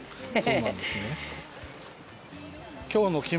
そうなんですね。